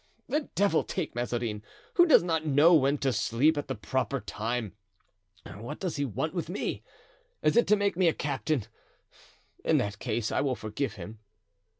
"The devil take Mazarin, who does not know when to sleep at the proper time. What does he want with me? Is it to make me a captain? In that case I will forgive him."